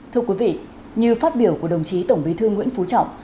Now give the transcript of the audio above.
thưa quý vị như phát biểu của đồng chí tổng bí thư nguyễn phú trọng